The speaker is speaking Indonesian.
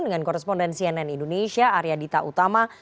dengan koresponden cnn indonesia arya dita utama